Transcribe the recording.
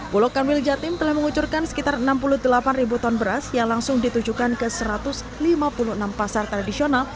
bulog kanwil jatim telah mengucurkan sekitar enam puluh delapan ribu ton beras yang langsung ditujukan ke satu ratus lima puluh enam pasar tradisional